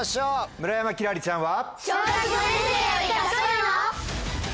村山輝星ちゃんは。